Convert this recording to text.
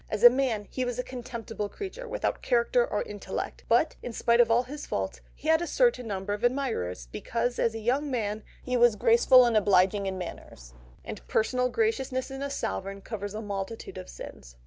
As a man he was a contemptible creature without character or intellect, but, in spite of all his faults, he had a certain number of admirers, because as a young man he was graceful and obliging in manners, and personal graciousness in a sovereign covers a multitude of sins.